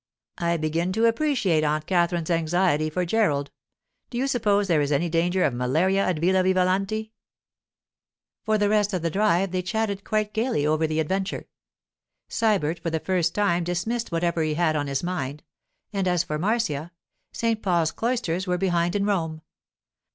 'I begin to appreciate Aunt Katherine's anxiety for Gerald—do you suppose there is any danger of malaria at Villa Vivalanti?' For the rest of the drive they chatted quite gaily over the adventure. Sybert for the time dismissed whatever he had on his mind; and as for Marcia—St. Paul's cloisters were behind in Rome.